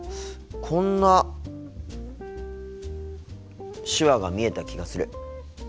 こんな手話が見えた気がする。